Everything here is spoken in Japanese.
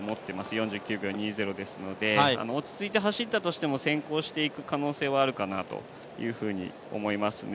４９秒２０ですので落ち着いて走ったとしても先行していく可能性はあるかなというふうに思いますね。